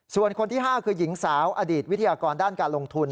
ส่วนคนที่๕คือหญิงสาวอดีตวิทยากรด้านการลงทุน